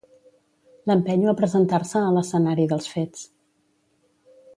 L'empenyo a presentar-se a l'escenari dels fets.